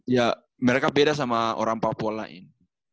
ya mereka beda sama orang papua lain